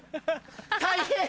大変！